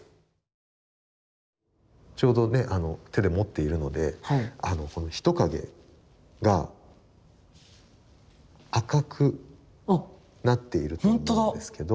ちょうどね手で持っているので「ヒトカゲ」が赤くなっていると思うんですけど。